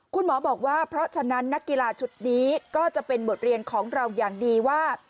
คุณหมอบอกว่าเพราะฉะนั้นนักกีฬาชุดนี้ก็จะเป็นบทเรียนของเราอย่างดีว่า